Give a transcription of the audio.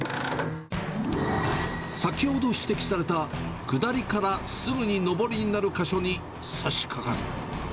先ほど指摘された下りからすぐに上りになる箇所にさしかかる。